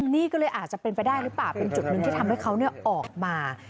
นี่ก็เลยอาจจะเป็นไปได้หรือเปล่าเป็นจุดหนึ่งที่ทำให้เขาออกมา